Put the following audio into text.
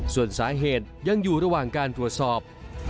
ส่วนสาเหตุยังอยู่ระหว่างการตรวจสอบ